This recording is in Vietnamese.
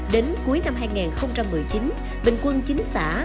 đến cuối năm hai nghìn một mươi chín bình quân chín xã